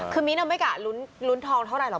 คือมิ๊นไม่ก็ลุ้นทองเท่าใหรกหรอก